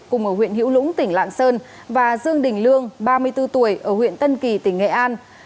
cùng ở huyện hữu lũng tỉnh lạng sơn và dương đình lương ba mươi bốn tuổi ở huyện tân kỳ tỉnh nghệ an